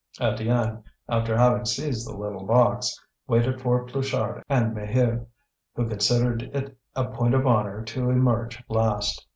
Étienne, after having seized the little box, waited with Pluchart and Maheu, who considered it a point of honour to emerge last.